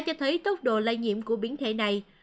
cho thấy tốc độ lây nhiễm của biến thể này